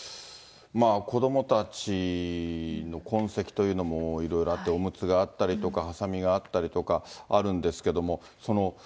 子どもたちの痕跡というのもいろいろあって、おむつがあったりとか、はさみがあったりとかあるんですけども。